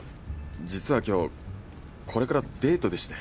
実は今日これからデートでして。